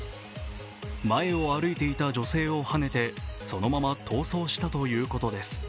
前を歩いていた女性をはねてそのまま逃走したということです。